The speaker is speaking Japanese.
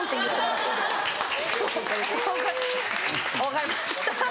「あっ分かりました」。